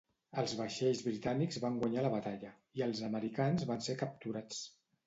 Els vaixells britànics van guanyar la batalla i els americans van ser capturats.